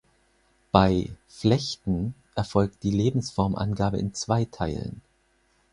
Bei "Flechten" erfolgt die Lebensform-Angabe in zwei Teilen.